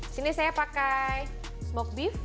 sini saya pakai smoke beef